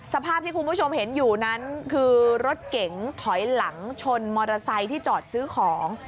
สภาพที่คุณผู้ชมเห็นอยู่นั้นคือรถเก๋งถอยหลังชนมอเตอร์ไซค์ที่จอดซื้อของ